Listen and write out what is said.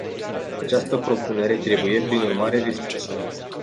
Această propunere trebuie, prin urmare, respinsă.